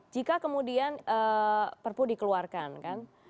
jika kemudian perpu dikeluarkan kan